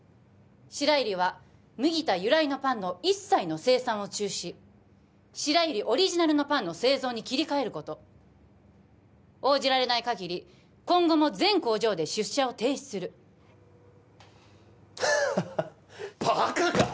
白百合は麦田由来のパンの一切の生産を中止白百合オリジナルのパンの製造に切り替えること応じられないかぎり今後も全工場で出社を停止するハハッバカか！